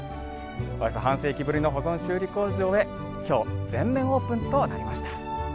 およそ半世紀ぶりの保存修理工事を終えきょう全面オープンとなりました。